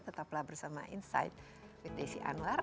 tetaplah bersama insight with desi anwar